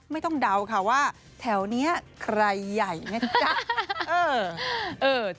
ไม่ต้องเดาค่ะว่าแถวนี้ใครใหญ่ไงจ๊ะ